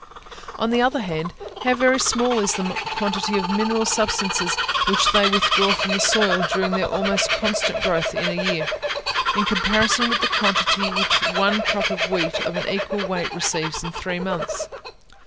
On the other hand, how very small is the quantity of mineral substances which they withdraw from the soil during their almost constant growth in one year, in comparison with the quantity which one crop of wheat of an equal weight receives in three months!